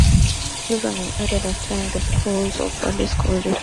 Children in Eden attend the schools of Valley School District.